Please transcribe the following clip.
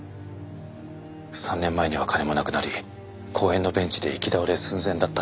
３年前には金もなくなり公園のベンチで行き倒れ寸前だった。